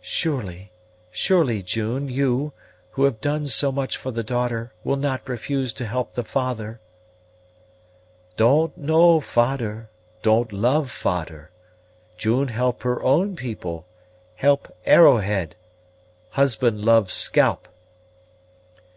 "Surely, surely, June, you, who have done so much for the daughter, will not refuse to help the father?" "Don't know fader, don't love fader. June help her own people, help Arrowhead husband love scalp."